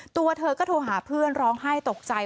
ตัวเธอก็โทรหาเพื่อนร้องไห้ตกใจ